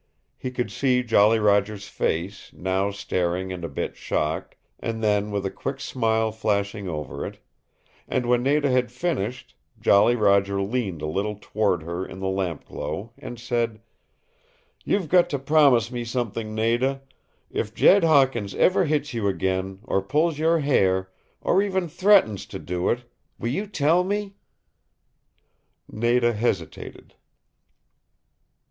He could see Jolly Roger's face, now staring and a bit shocked, and then with a quick smile flashing over it; and when Nada had finished, Jolly Roger leaned a little toward her in the lampglow, and said, "You've got to promise me something, Nada. If Jed Hawkins ever hits you again, or pulls your hair, or even threatens to do it will you tell me?" Nada hesitated.